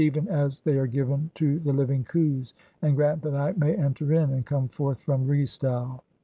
even as [they are given] "to the living khus, and grant that I may enter in (12) and come forth from Re stau."